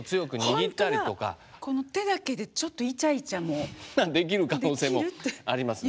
この手だけでちょっとできる可能性もありますね。